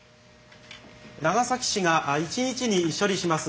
長崎市が１日に処理します